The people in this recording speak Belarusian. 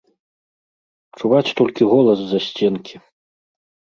Чуваць толькі голас з-за сценкі.